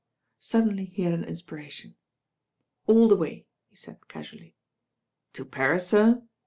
Suddenly he had an inspiration. All the way," he said casually. "To Paris, sir?"